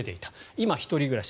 今は１人暮らし。